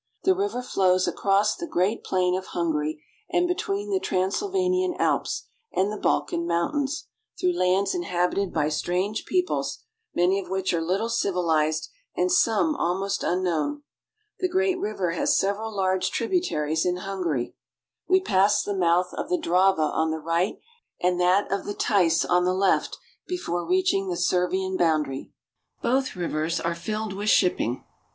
The river flows across the great plain of Hungary, and between the Transylvanian Alps, and the Balkan Mountains, through lands inhabited by strange peoples, many of which are little civilized and some almost unknown. The great river has several large 302 AUSTRIA HUNGARY. tributaries in Hungary. We pass the mouth of the Drava on the right, and that of the Theiss (tis) on the left, before reaching the Servian boundary. Both rivers are filled with shipping.